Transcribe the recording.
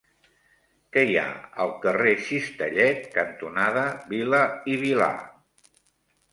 Què hi ha al carrer Cistellet cantonada Vila i Vilà?